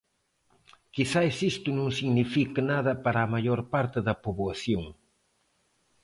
Quizais isto non signifique nada para a maior parte da poboación.